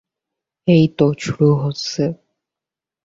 এইতো শুরু হচ্ছে।